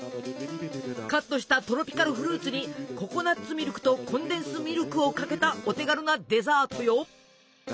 カットしたトロピカルフルーツにココナツミルクとコンデンスミルクをかけたお手軽なデザートよ。